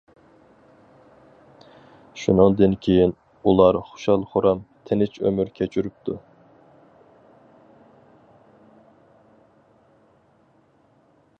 شۇنىڭدىن كېيىن ئۇلار خۇشال-خۇرام، تىنچ ئۆمۈر كەچۈرۈپتۇ.